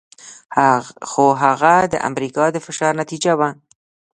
خو هغه د امریکا د فشار نتیجه وه.